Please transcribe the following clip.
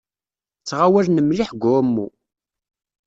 Ttɣawalen mliḥ deg uɛumu.